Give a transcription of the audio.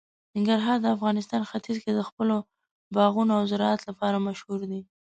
ننګرهار د افغانستان ختیځ کې د خپلو باغونو او زراعت لپاره مشهور دی.